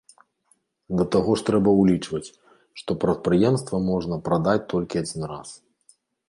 Да таго ж трэба ўлічваць, што прадпрыемства можна прадаць толькі адзін раз.